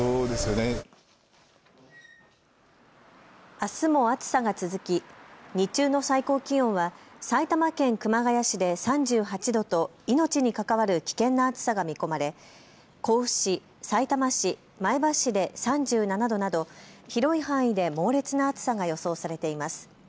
あすも暑さが続き日中の最高気温は埼玉県熊谷市で３８度と命に関わる危険な暑さが見込まれ、甲府市、さいたま市、前橋市で３７度など広い範囲で猛烈な暑さが予想されています。